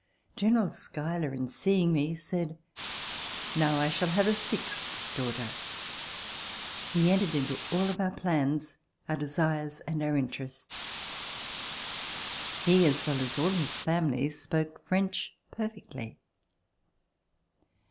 General Schuyler, in seeing me, said: "Now I shall have a sixth daugh ter!" He entered into all of our plans, our desires and our interests. He, as well as all his family, spoke French perfectly.